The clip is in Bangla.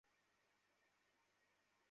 সবাই এক্সিট পয়েন্ট দিয়ে দ্রুত ভবন ত্যাগ করুন!